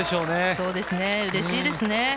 そうですね、うれしいですね。